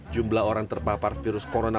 jumlah orang terpapar virus corona